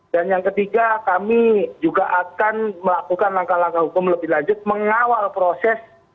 dan yang ketiga kami juga akan melakukan langkah langkah hukum lebih lanjut mengawal proses